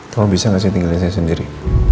kamu bisa gak sih tinggalin saya sendiri